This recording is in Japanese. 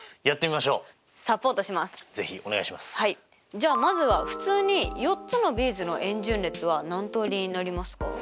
じゃあまずは普通に４つのビーズの円順列は何通りになりますか？